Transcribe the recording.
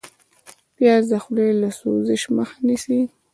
پیاز د خولې له سوزش مخه نیسي